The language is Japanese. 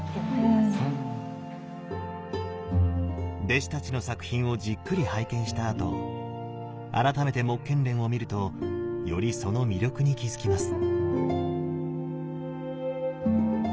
弟子たちの作品をじっくり拝見したあと改めて目連を見るとよりその魅力に気付きます。